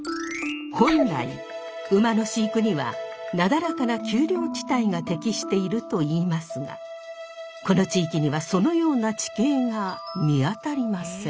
本来馬の飼育にはなだらかな丘陵地帯が適しているといいますがこの地域にはそのような地形が見当たりません。